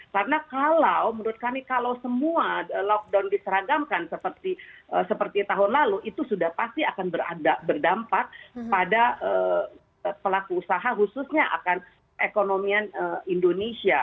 karena kalau menurut kami kalau semua lockdown diseragamkan seperti tahun lalu itu sudah pasti akan berada berdampak pada pelaku usaha khususnya akan ekonomi indonesia